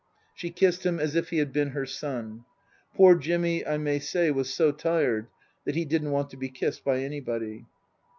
She kissed him as if he had been her son. (Poor Jimmy, I may say, was so tired that he didn't want to be kissed by anybody.)